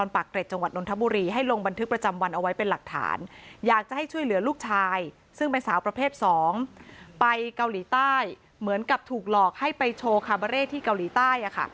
ไปเกาหลีใต้เหมือนกับถูกหลอกให้ไปโชว์คาร์เบอร์เรทที่เกาหลีใต้